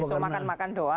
besok makan makan doang